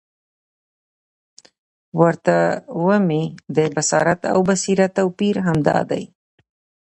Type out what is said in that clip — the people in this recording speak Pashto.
ورته ومي د بصارت او بصیرت توپیر همد دادی،